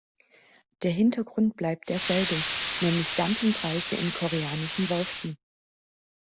Der Hintergrund bleibt der selbe, nämlich Dumpingpreise in koreanischen Werften.